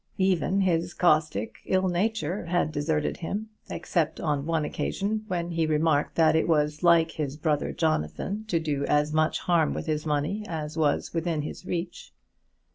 Even his caustic ill nature had deserted him, except on one occasion, when he remarked that it was like his brother Jonathan to do as much harm with his money as was within his reach.